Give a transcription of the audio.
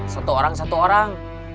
satu orang satu orang